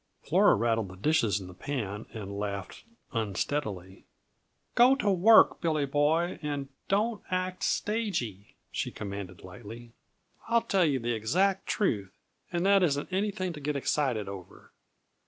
Flora rattled the dishes in the pan and laughed unsteadily. "Go to work, Billy Boy, and don't act stagey," she commanded lightly. "I'll tell you the exact truth and that isn't anything to get excited over.